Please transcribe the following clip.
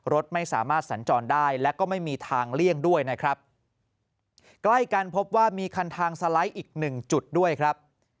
รถไม่สามารถสัญจรได้และก็ไม่มีทางเลี่ยงด้วยนะครับใกล้กันพบว่ามีคันทางสไลด์อีกหนึ่งจุดด้วยครับ